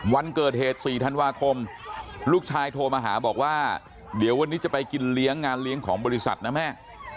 วันเกิดเหตุ๔ธันวาคมลูกชายโทรมาหาบอกว่าเดี๋ยววันนี้จะไปกินเลี้ยงงานเลี้ยงของบริษัทนะแม่